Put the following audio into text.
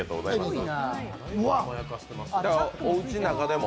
おうちん中でも。